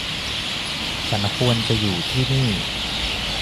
ฉันควรจะอยู่ที่นี่